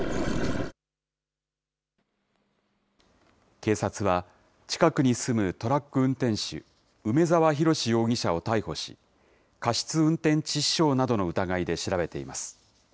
警察は、近くに住むトラック運転手、梅澤洋容疑者を逮捕し、過失運転致死傷などの疑いで調べています。